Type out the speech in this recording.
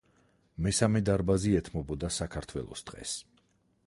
მესამე დარბაზი ეთმობოდა საქართველოს ტყეს.